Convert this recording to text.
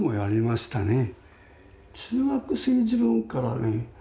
中学生時分からね